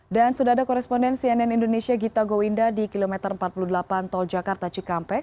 dan sudah ada koresponden cnn indonesia gita gowinda di kilometer empat puluh delapan tol jakarta cikampek